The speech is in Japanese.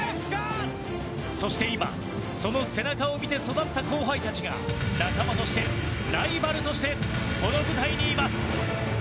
そして今その背中を見て育った後輩たちが仲間としてライバルとしてこの舞台にいます。